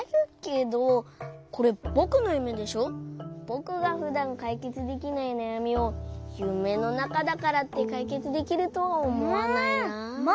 ぼくがふだんかいけつできないなやみをゆめのなかだからってかいけつできるとはおもわないな。